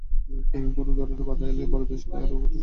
কোনো ধরনের বাধা এলে পরবর্তী সময়ে আরও কঠোর কর্মসূচি দেওয়া হবে।